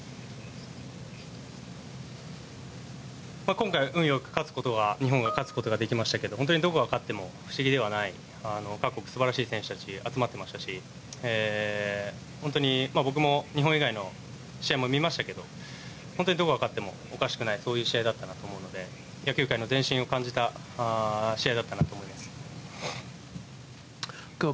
今回、運よく日本が勝つことができましたけど本当にどこが勝ってもおかしくない各国素晴らしい選手たちが集まっていましたし僕も日本以外の試合も見ましたけどどこが勝ってもおかしくないそういう試合だったなと思うので野球界の前進を感じた試合だったなと思います。